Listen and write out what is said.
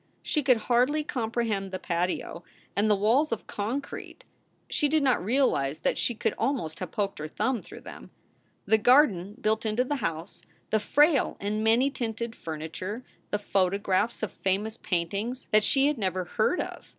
She could hardly comprehend the patio, and the walls of concrete (she did not realize that she could almost have poked her thumb through them), the garden built into the house, the frail and many tinted furniture, the photographs of famous paintings that she had never heard of.